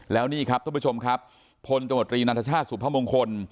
แล้วนี่ต่อไปชมประชมผนโจมตรีนัสชาติสุบภาคมงคล